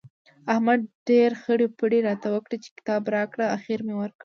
احمد ډېرې خړۍ پړۍ راته وکړې چې کتاب راکړه؛ اخېر مې ورکړ.